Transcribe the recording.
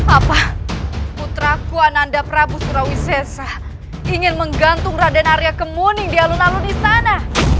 apa putraku ananda prabu surawisesa ingin menggantung raden arya kemuning di alun alun istana